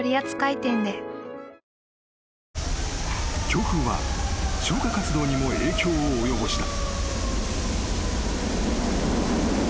［強風は消火活動にも影響を及ぼした］